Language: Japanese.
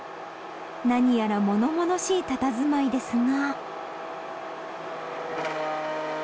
何やら物々しいたたずまいですが。